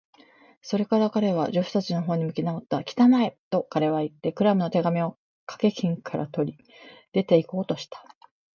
それから彼は、助手たちのほうに向きなおった。「きたまえ！」と、彼はいって、クラムの手紙をかけ金から取り、出ていこうとした。